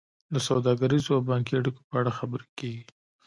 د سوداګریزو او بانکي اړیکو په اړه خبرې کیږي